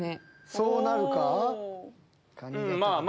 そうなるか？